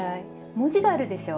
文字があるでしょう？